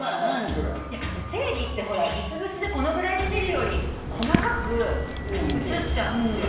それテレビってほら実物でこのぐらいで見るより細かく映っちゃうんですよ